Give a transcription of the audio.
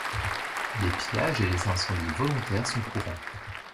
Les pillages et les incendies volontaires sont courants.